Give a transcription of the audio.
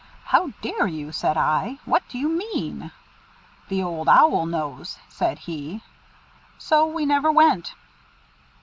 'How dare you?' said I. 'What do you mean?' 'The Old Owl knows,' said he. So we never went."